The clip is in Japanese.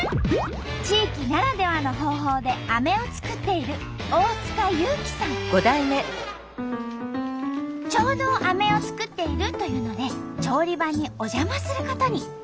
地域ならではの方法でアメを作っているちょうどアメを作っているというので調理場にお邪魔することに。